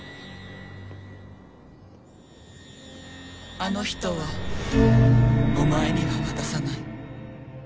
あの人はお前には渡さない。